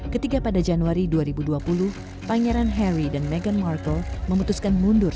ketika pada januari dua ribu dua puluh pangeran harry dan meghan markle memutuskan mundur